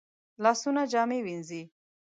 لاسونه جامې وینځي